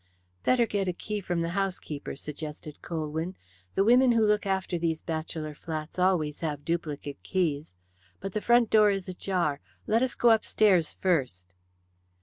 "Better get a key from the housekeeper," suggested Colwyn. "The women who look after these bachelor flats always have duplicate keys. But the front door is ajar. Let us go upstairs first."